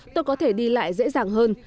tôi có thể đi lại dễ dàng hơn